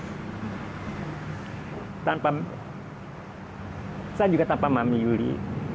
saya juga tanpa mami yuli